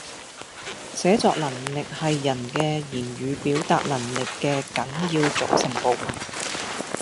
寫作能力係人嘅語言表達能力嘅緊要組成部分